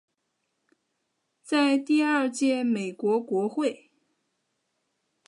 在第二届美国国会。